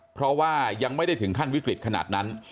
เพราะว่ายังไม่ได้ถึงขั้นวิกฤตขนาดนั้น